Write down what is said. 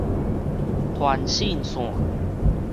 傳訊線